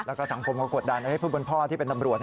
แล้วก็สังคมก็กดดันให้ผู้เป็นพ่อที่เป็นตำรวจ